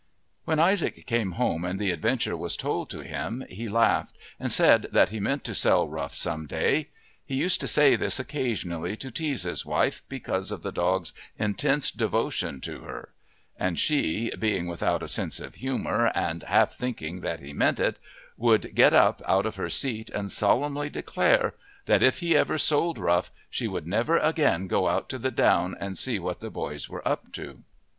When Isaac came home and the adventure was told to him he laughed and said that he meant to sell Rough some day. He used to say this occasionally to tease his wife because of the dog's intense devotion to her; and she, being without a sense of humour and half thinking that he meant it, would get up out of her seat and solemnly declare that if he ever sold Rough she would never again go out to the down to see what the boys were up to.